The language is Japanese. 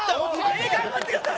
えーっ頑張ってください！